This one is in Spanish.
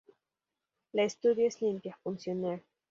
La Studio es limpia, funcional.